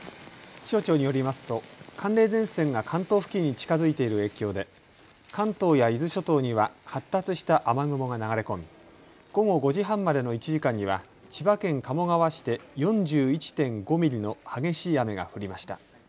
気象庁によりますと寒冷前線が関東付近に近づいている影響で関東や伊豆諸島には発達した雨雲が流れ込み午後５時半までの１時間には千葉県鴨川市で４１．５ミリの激しい雨が降りました。